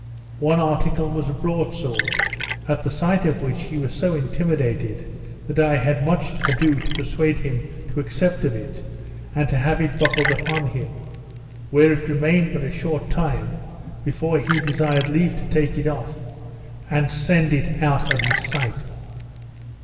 One article was a broad sword; at the sight of which he was so intimidated, that I had much ado to persuade him to accept of it, and to have it buckled upon him; where it remained but a short time, before he desired leave to take it off, and send it out of his sight.